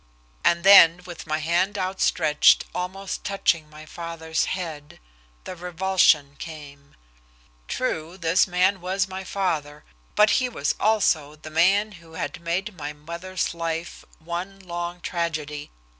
And then, with my hand outstretched, almost touching my father's head, the revulsion came. True, this man was my father, but he was also the man who had made my mother's life one long tragedy.